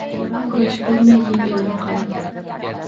Kurash koʼrmay yengilmoq alam